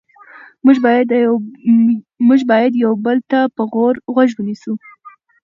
موږ باید یو بل ته په غور غوږ ونیسو